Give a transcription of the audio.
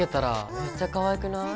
めっちゃかわいい！